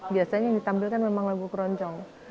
biasanya ditampilkan memang lebih keroncong